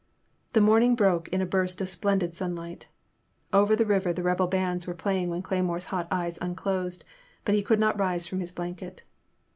The morning broke in a burst of splendid sun light. Over the river the rebel bands were play ing when Cleymore* s hot eyes unclosed, but he could not rise from his blanket.